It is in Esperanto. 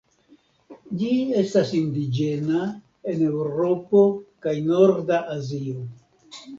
Ĝi estas indiĝena en Eŭropo kaj norda Azio.